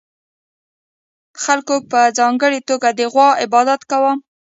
خلکو په ځانګړې توګه د غوا عبادت کاوه